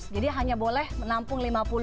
jadi hanya boleh menampung lima puluh